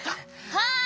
はい！